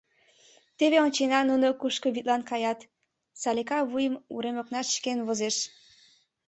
— Теве ончена, нуно кушко вӱдлан каят, — Салика вуйым урем окнаш чыкен возеш.